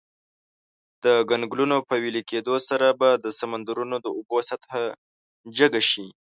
د کنګلونو په ویلي کیدو سره به د سمندرونو د اوبو سطحه جګه شي.